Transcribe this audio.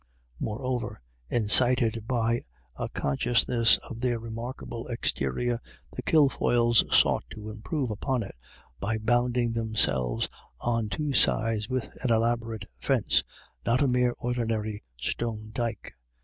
Moreover, incited by a consciousness of their remarkable exterior, the Kilfoyles sought to improve upon it by bounding themselves on 9« IRISH IDYLLS. two sides with an elaborate fence, not a mere ordinary stone dyke.